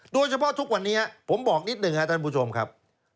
โดยเฉพาะทุกวันนี้ผมบอกนิดหนึ่งครับท่านผู้ชมครับ